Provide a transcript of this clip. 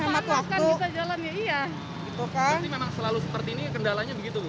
memang selalu seperti ini kendalanya begitu